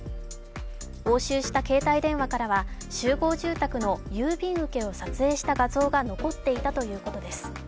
押収した携帯電話からは、集合住宅の郵便受けを撮影した画像が残っていたということです。